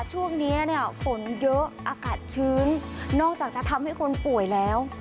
ช่วงนี้เนี่ยฝนเยอะอากาศชื้นนอกจากจะทำให้คนป่วยแล้ว